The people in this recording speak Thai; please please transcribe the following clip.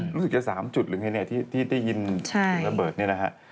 รู้สึกจะ๓จุดหรือไงที่ได้ยินระเบิดนี่นะฮะ